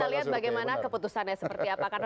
kita lihat bagaimana keputusannya seperti apa